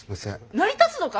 成り立つのか？